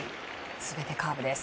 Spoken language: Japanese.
全てカーブです。